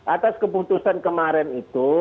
atas keputusan kemarin itu